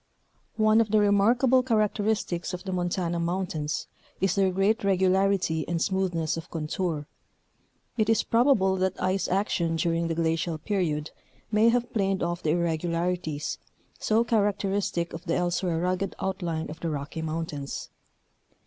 One of the remarkable characteristics of the Montana moun tains is their great regularity and smoothness of contour. It is probable that ice action during the glacial period may have planed off the irregularities, so characteristic of the elsewhere rugged outline of the Rocky Mountains.